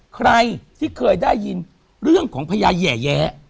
ใครที่เคยได้ยินเรื่องของพญาแห่แย้